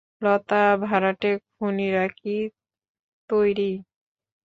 লতা, ভাড়াটে খুনিরা কি তৈরি?